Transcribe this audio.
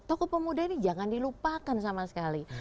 tokoh pemuda ini jangan dilupakan sama sekali